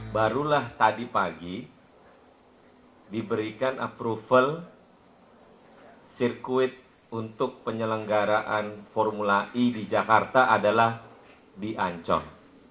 barulah tadi pagi diberikan approval sirkuit untuk penyelenggaraan formula e di jakarta adalah di ancol